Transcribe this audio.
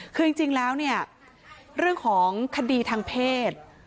คือจริงแล้วเนี่ยเรื่องของคดีทางเพศ